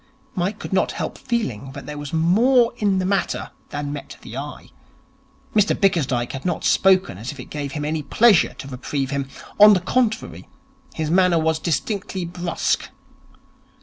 Mike could not help feeling that there was more in the matter than met the eye. Mr Bickersdyke had not spoken as if it gave him any pleasure to reprieve him. On the contrary, his manner was distinctly brusque.